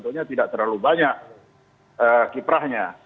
karena tidak terlalu banyak kiprahnya